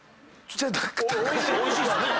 おいしいっすね！